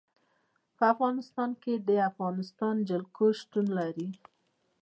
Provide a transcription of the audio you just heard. په افغانستان کې د افغانستان جلکو شتون لري.